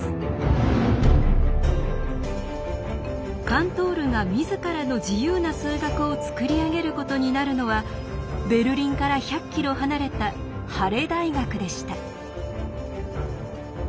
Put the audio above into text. カントールが自らの自由な数学を作り上げることになるのはベルリンから１００キロ離れたハレ大学でした。